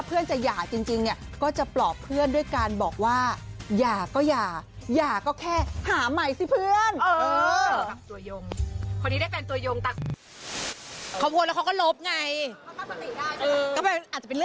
ก็อาจจะเป็นเรื่องอารมณ์อะไรอย่างนี้